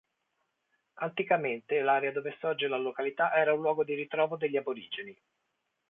Anticamente l'area dove sorge la località era un luogo di ritrovo degli aborigeni.